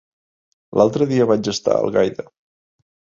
L'altre dia vaig estar a Algaida.